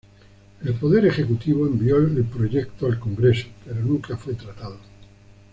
El Poder Ejecutivo envió el proyecto al Congreso, pero nunca fue tratado.